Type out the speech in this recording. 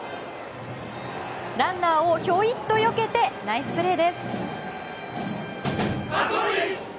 ランナーをひょいっとよけてナイスプレーです。